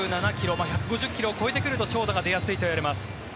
１５０ｋｍを超えてくると長打が出やすいといわれます。